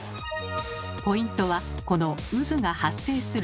ポイントはこの渦が発生する幅。